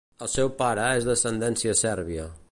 El seu pare és d'ascendència sèrbia.